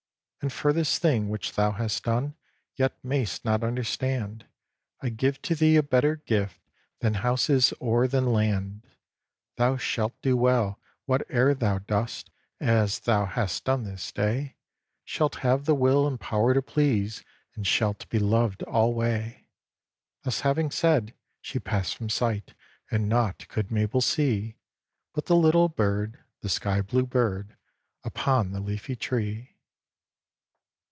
"And for this thing which thou hast done, Yet may'st not understand, I give to thee a better gift Than houses or than land. "Thou shalt do well whate'er thou dost, As thou hast done this day Shalt have the will and power to please, And shalt be loved alway." Thus having said, she passed from sight, And naught could Mabel see, But the little bird, the sky blue bird, Upon the leafy tree.